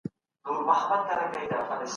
ټولنیز علوم د محیط تر اغېز لاندې بدلون مومي.